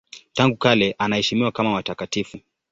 Tangu kale anaheshimiwa kama watakatifu.